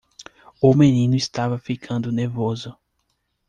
O menino estava ficando nervoso.